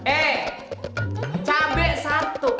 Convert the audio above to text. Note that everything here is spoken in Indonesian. eh cabai satu